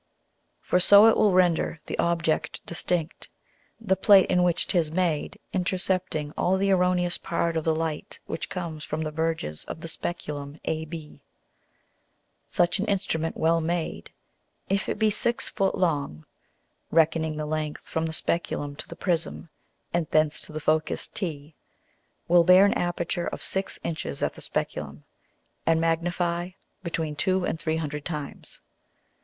For so it will render the Object distinct, the Plate in which 'tis made intercepting all the erroneous part of the Light which comes from the verges of the Speculum AB. Such an Instrument well made, if it be six Foot long, (reckoning the length from the Speculum to the Prism, and thence to the Focus T) will bear an aperture of six Inches at the Speculum, and magnify between two and three hundred times.